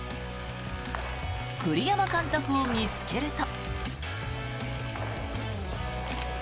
栗山監督を見つけると。